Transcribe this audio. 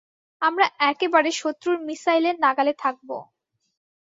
আমরা একেবারে শত্রুর মিশাইলের নাগালে থাকবো।